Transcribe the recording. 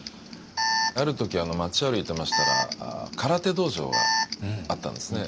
ある時街を歩いてましたら空手道場があったんですね。